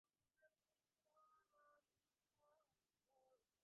বাবা-মায়ের সাথে মন্টে-কার্লোতে থাকতে একদমই ভালো লাগে না আমার।